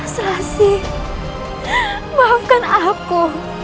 selasi maafkan aku